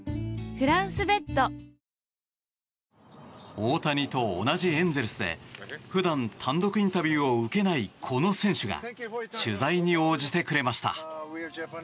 大谷と同じエンゼルスで普段、単独インタビューを受けない、この選手が取材に応じてくれました。